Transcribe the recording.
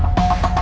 aku kasih tau